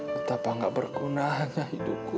betapa nggak berkunahnya hidupku